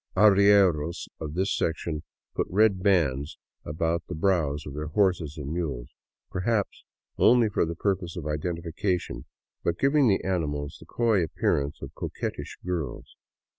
Arrieros of this section put red bands about the brows of their horses and mules, perhaps only for the pur pose of identification, but giving the animals the coy appearance of coquettish girls.